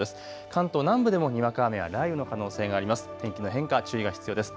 関東南部でもにわか雨や雷雨の可能性があります。